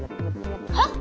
はっ？